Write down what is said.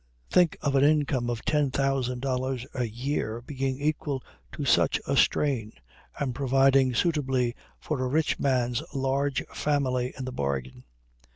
Think of an income of $10,000 a year being equal to such a strain, and providing suitably for a rich man's large family in the bargain!